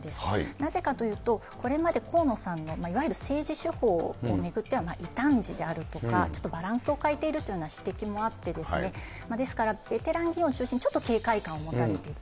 なぜかというと、これまで河野さんの、いわゆる政治手法を巡っては異端児であるとか、ちょっとバランスを欠いているというような指摘もあって、ですからベテラン議員を中心にちょっと警戒感を持たれている。